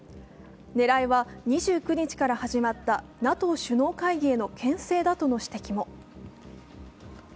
狙いは２９日から始まったＮＡＴＯ首脳会議へのけん制だとの指摘も。